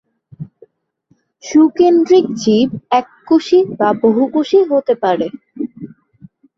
সুকেন্দ্রিক জীব এককোষী বা বহুকোষী হতে পারে।